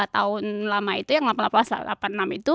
tahun lama itu yang delapan puluh delapan delapan puluh enam itu